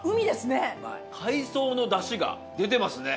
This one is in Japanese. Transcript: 海藻の出汁が出てますね。